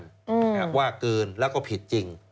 หากว่าเกินแล้วก็ผิดจริง